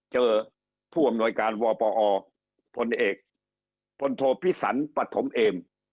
เจอผู้อำนวยการวปอพลเอกพลโทพิสันปฐมเอม